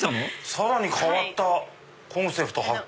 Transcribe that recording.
さらに変わったコンセプト発見。